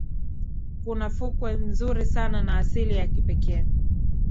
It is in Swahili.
Kuna fukwe nzuri sana na asili ya kipekee